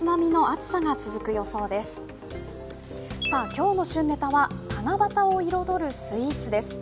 今日の旬ネタは七夕を彩るスイーツです。